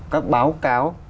các báo cáo